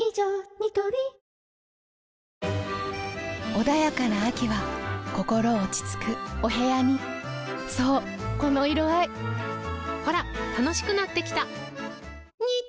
ニトリ穏やかな秋は心落ち着くお部屋にそうこの色合いほら楽しくなってきた！